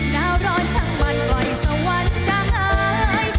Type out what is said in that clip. นาวร้อนชั้นมันไว้สวรรค์จะหาย